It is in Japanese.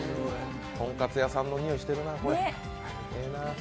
とんかつ屋さんのにおいしてるな、これ、いいな。